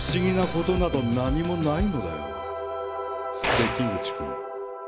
「関口君」